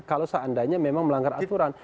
kalau seandainya memang melanggar aturan